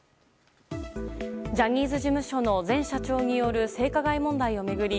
ジャニーズ事務所の前社長による性加害問題を巡り